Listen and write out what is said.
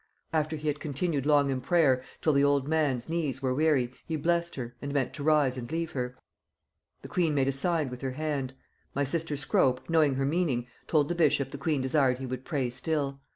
After he had continued long in prayer, till the old man's knees were weary, he blessed her; and meant to rise and leave her. The queen made a sign with her hand. My sister Scrope, knowing her meaning, told the bishop the queen desired he would pray still.